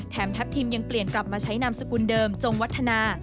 ทัพทิมยังเปลี่ยนกลับมาใช้นามสกุลเดิมจงวัฒนา